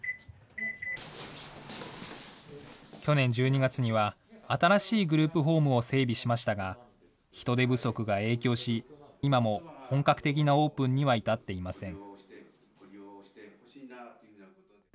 去年１２月には新しいグループホームを整備しましたが、人手不足が影響し、今も本格的なオープンには至っていません。